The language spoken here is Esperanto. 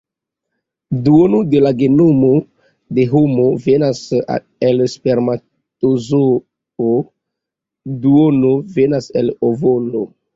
Duono de la genomo de homo venas el spermatozoo, duono venas el ovolo.